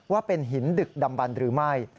ว่าเป็นหินดึกดำบันหรือไม่